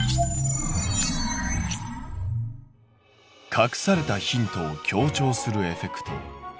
隠されたヒントを強調するエフェクト。